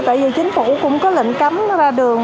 tại vì chính phủ cũng có lệnh cấm ra đường